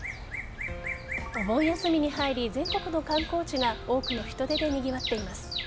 お盆休みに入り全国の観光地が多くの人出でにぎわっています。